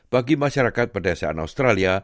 bagi masyarakat pedesaan australia